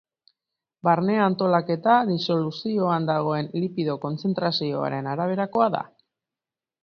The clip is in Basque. Barne antolaketa disoluzioan dagoen lipido kontzentrazioaren araberakoa da.